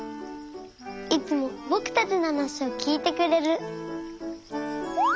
いつもぼくたちのはなしをきいてくれる。